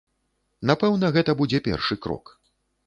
Напэўна, гэта будзе першы крок.